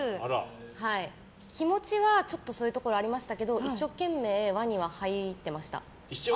気持ちはそういうところはありましたけど一生懸命、輪には入ってました。